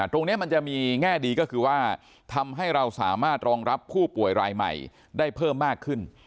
ตรงนี้มันจะมีแง่ดีก็คือว่าทำให้เราสามารถรองรับผู้ป่วยรายใหม่ได้เพิ่มมากขึ้น